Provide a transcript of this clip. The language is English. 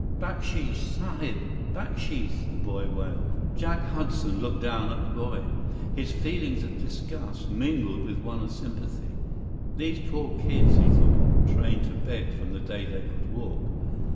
"Baksheesh, Sahib! Baksheesh!" the boy wailed. Jack Hudson looked down at the boy, his feeling of disgust mingled with one of sympathy. These poor kids, he thought, trained to beg from the day they could walk.